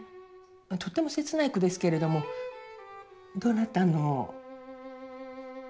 とっても切ない句ですけれどもどなたの？